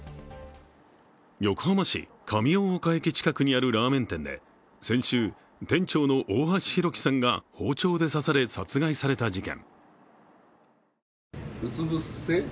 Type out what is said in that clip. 横浜市・上大岡駅近くにあるラーメン店で先週、店長の大橋弘輝さんが包丁で刺され殺害された事件。